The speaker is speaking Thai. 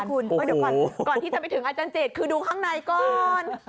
ก่อนที่จะไปถึงอาจารย์เจษฐ์คือดูข้างในก่อน